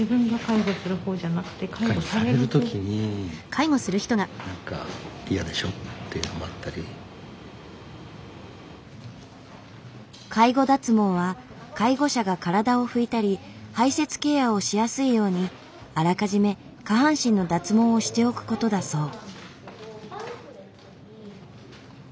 介護脱毛は介護者が体を拭いたり排せつケアをしやすいようにあらかじめ下半身の脱毛をしておくことだそう。